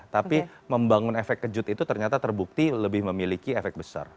tapi membangun efek kejut itu ternyata terbukti lebih memiliki efek besar